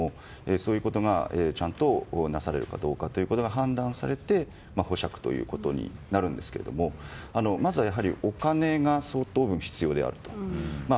そういうことがちゃんとなされるかどうかということが判断されて保釈となるんですがまずはお金が相当分必要であると。